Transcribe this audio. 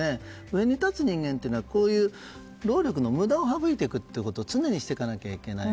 上に立つ人間はこういう労力の無駄を省いていくということを常にしていかないといけない。